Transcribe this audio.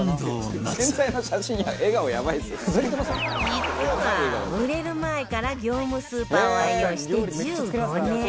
実は売れる前から業務スーパーを愛用して１５年